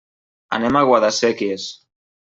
Anem a Guadasséquies.